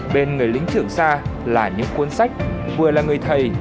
bên người lính trường xa là những cuốn sách vừa là người thầy